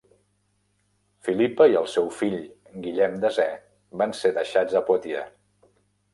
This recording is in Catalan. Philippa i el seu fill Guillem Desè van ser deixats a Poitiers.